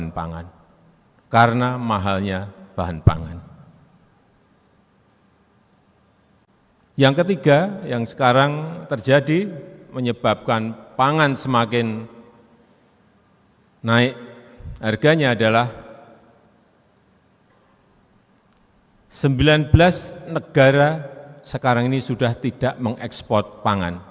dan akan terus bertambah di tahun dua ribu tiga puluh diperkirakan sudah mencapai tiga ratus sepuluh